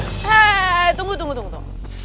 hei tunggu tunggu tunggu